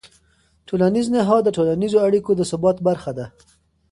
ټولنیز نهاد د ټولنیزو اړیکو د ثبات برخه ده.